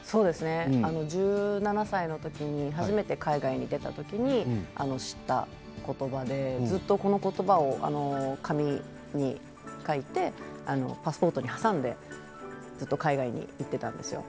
１７歳の時に初めて海外に出た時に知った言葉でずっとこの言葉を紙に書いてパスポートに挟んでずっと海外に行っていたんですよ。